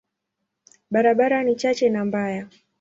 Barabara ni chache na mbaya.